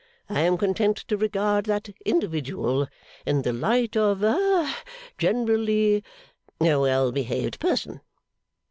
I am content to regard that individual in the light of ha generally a well behaved person.